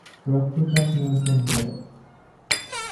রক্তচাপ নিয়ন্ত্রণ করে।